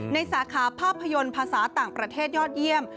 สาขาภาพยนตร์ภาษาต่างประเทศยอดเยี่ยม